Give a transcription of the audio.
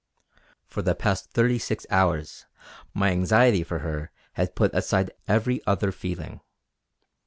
For the past thirty six hours my anxiety for her had put aside every other feeling.